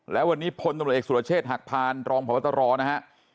แล้ววันนี้พลตมเอกสุรเชษฐ์หักพานรองผวัตรตรอนะฮะ